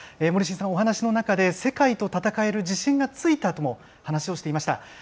森重さん、お話の中で、世界と戦える自信がついたとも話をしていました。